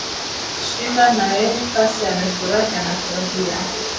shinda na yeye kase amefurahi amefurahia